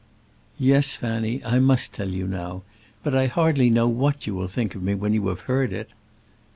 "Yes, Fanny, I must tell you now; but I hardly know what you will think of me when you have heard it."